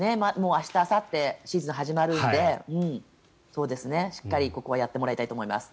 明日、あさってシーズンが始まるのでしっかりここはやってもらいたいと思います。